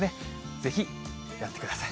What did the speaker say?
ぜひやってください。